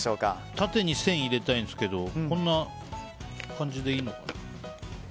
縦に線を入れたいんですけどこんな感じでいいのかな。